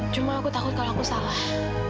cuma aku takut kalau aku salah